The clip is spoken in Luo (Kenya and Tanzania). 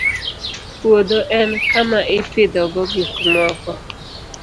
Puodho en kama ipidhogo gik moko